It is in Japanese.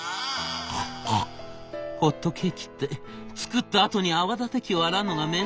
「ホットケーキって作ったあとに泡立て器を洗うのが面倒なのよね。